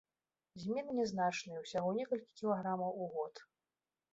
Змены нязначныя, усяго некалькі кілаграмаў у год.